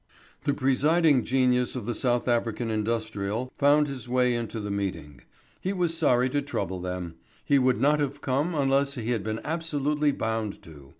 The presiding genius of the South African Industrial found his way into the meeting. He was sorry to trouble them: he would not have come unless he had been absolutely bound to.